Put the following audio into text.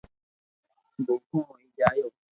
ڀوکو ھوئي جايو